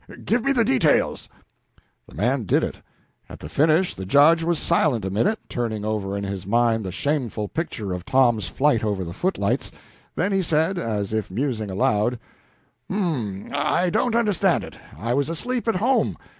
give me the details!" The man did it. At the finish the Judge was silent a minute, turning over in his mind the shameful picture of Tom's flight over the footlights; then he said, as if musing aloud "H'm I don't understand it. I was asleep at home.